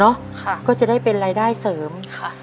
ค่ะก็จะได้เป็นรายได้เสริมค่ะ